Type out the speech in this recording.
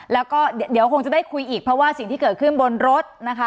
แล้วก็เดี๋ยวคงจะได้คุยอีกเพราะว่าสิ่งที่เกิดขึ้นบนรถนะคะ